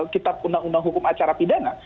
kitab undang undang hukum acara pidana